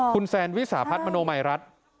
คุณแซนวิสาพัฒน์มโนมัยรัฐ